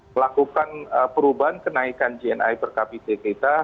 melakukan perubahan kenaikan gni per kapita kita